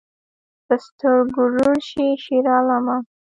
په سترګو ړوند شې شیرعالمه